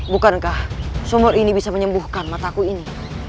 bukankah sumur ini bisa menyembuhkan mataku ini